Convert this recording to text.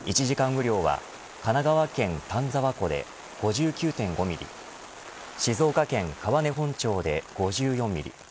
雨量は、神奈川県丹沢湖で５９．５ミリ静岡県川根本町で５４ミリ